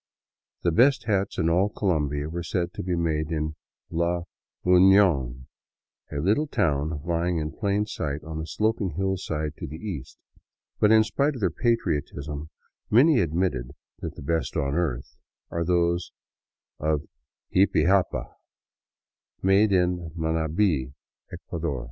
The best hats in all Colombia were said to be made in La Union, a little town lying in plain sight on a sloping hillside to the east ; but in spite of their patriotism, many admitted that the best on earth are those of jipijapa, made in Manabi, Ecuador.